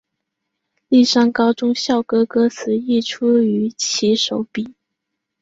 丽山高中校歌歌词亦出于其手笔。